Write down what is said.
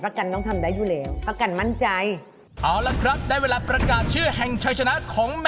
กันต้องทำได้อยู่แล้วประกันมั่นใจเอาละครับได้เวลาประกาศชื่อแห่งชัยชนะของ